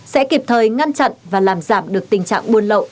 sẽ kịp thời ngăn chặn và làm giảm được tình trạng buôn lậu